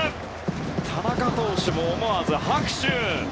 田中投手も思わず拍手。